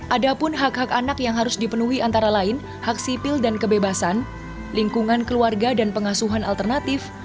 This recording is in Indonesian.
ada pun hak hak anak yang harus dipenuhi antara lain hak sipil dan kebebasan lingkungan keluarga dan pengasuhan alternatif